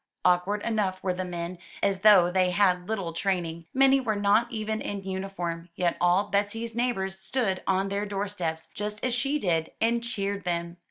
Awkward enough were the men, as though they had had little training; many were not even in uniform; yet all Betsy's neighbors stood on their doorsteps, just as she did, and cheered them.